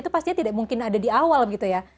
itu pastinya tidak mungkin ada di awal gitu ya